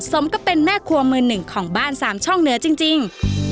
สมกับเป็นแม่ครัวมือหนึ่งของบ้านสามช่องเหนือจริง